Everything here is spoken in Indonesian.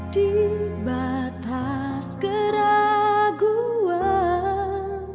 di batas keraguan